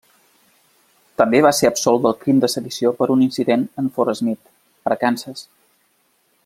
També va ser absolt del crim de sedició per un incident en Fort Smith, Arkansas.